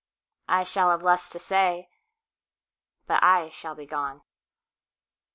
I shall have less to say, But I shall be gone.